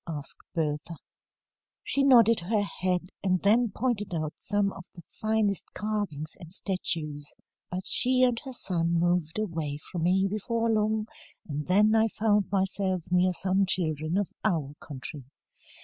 asked Bertha. "She nodded her head, and then pointed out some of the finest carvings and statues. But she and her son moved away from me before long, and then I found myself near some children of our country.